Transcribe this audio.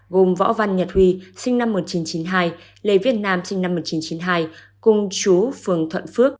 gồm võ văn nhật huy sinh năm một nghìn chín trăm chín mươi hai lê việt nam sinh năm một nghìn chín trăm chín mươi hai cùng chú phường thuận phước